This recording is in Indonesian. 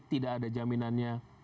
tidak ada jaminannya